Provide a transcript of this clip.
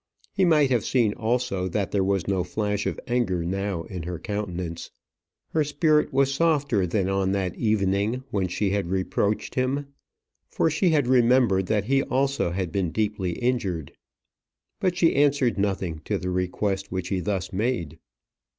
He might have seen also that there was no flash of anger now in her countenance: her spirit was softer than on that evening when she had reproached him; for she had remembered that he also had been deeply injured. But she answered nothing to the request which he thus made.